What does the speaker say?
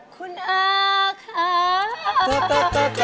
คุณอาค่ะ